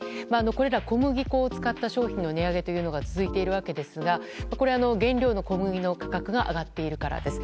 これら小麦粉を使った商品の値上げが続いているわけですがこれは原料の小麦の価格が上がっているからです。